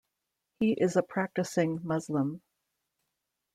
He is a practising Muslim.